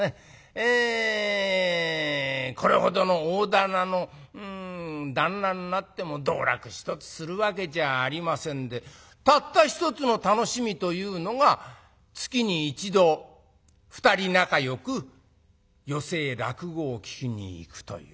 えこれほどの大店の旦那になっても道楽一つするわけじゃありませんでたった一つの楽しみというのが月に一度二人仲よく寄席へ落語を聴きに行くという。